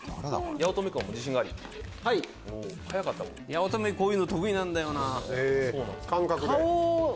八乙女こういうの得意なんだよな。